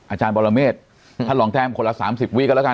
อาจารย์บรเมษท่านรองแต้มคนละ๓๐วิก็แล้วกัน